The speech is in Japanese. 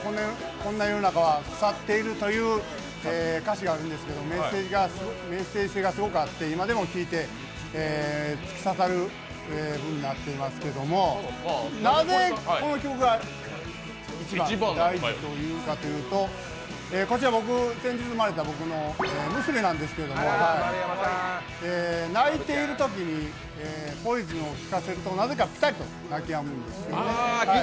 こんな世の中は腐っている！」という歌詞があるんですけど、メッセージ性がすごくあって今でも聴いて突き刺さる部分になっているんですけど、なぜこの曲が一番大事かというと、先日生まれた娘なんですけど、泣いているときに「ＰＯＩＳＯＮ」を聴かせるとなぜかピタリと泣きやむんですね。